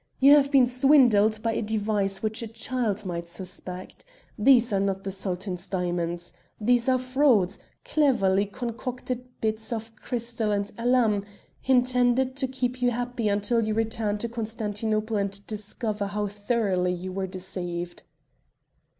"You have been swindled by a device which a child might suspect. These are not the Sultan's diamonds. These are frauds cleverly concocted bits of crystal and alum intended to keep you happy until you return to Constantinople and discover how thoroughly you were deceived."